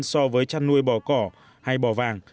so với chăn nuôi bò cỏ hay bò vàng